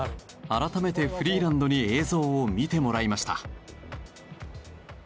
改めてフリーランドに映像を見てもらいました。